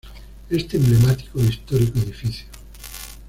este emblemático e histórico edificio